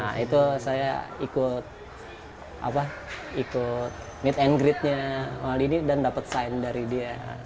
nah itu saya ikut apa ikut meet and greet nya maldini dan dapat sign dari dia